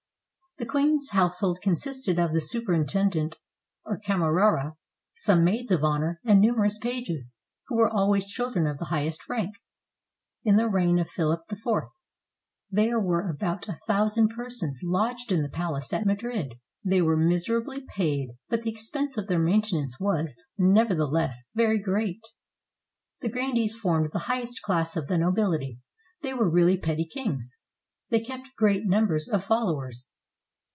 The queen's household consisted of the superintend ent, or camerara, some maids of honor, and numerous pages, who were always children of the highest rank. In the reign of Philip IV, there were about a thousand per sons lodged in the palace at Madrid. They were mis erably paid; but the expense of their maintenance was, nevertheless, very great. The grandees formed the highest class of the nobility. They were really petty kings. They kept great num bers of followers.